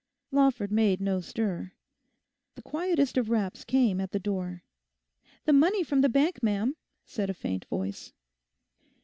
Lawford made no stir. The quietest of raps came at the door. 'The money from the Bank, ma'am,' said a faint voice.